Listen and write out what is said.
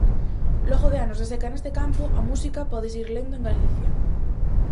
Logo de anos de seca neste campo, a música pódese ir lendo en Galicia.